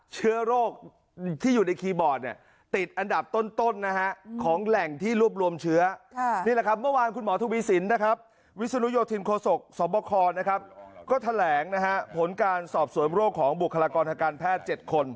เชื้อโรคที่อยู่ในคีย์บอร์ด